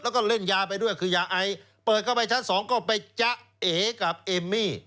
แล้วก็เล่นยาไปด้วยคือยาไอเปิดเข้าไปชั้นสองก็ไปจ๊ะเอกับเอมมี่